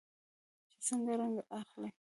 چې څنګه رنګ اخلي.